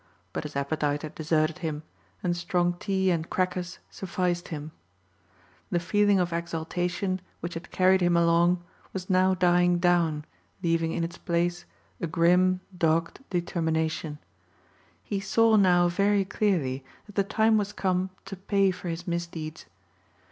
But his appetite had deserted him and strong tea and crackers sufficed him. The feeling of exaltation which had carried him along was now dying down leaving in its place a grim, dogged determination. He saw now very clearly that the time was come to pay for his misdeeds.